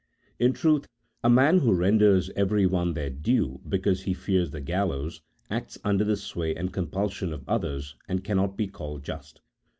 In truth, a man who renders everyone their due because he fears the gallows, acts under the sway and compulsion of others, and cannot be called just.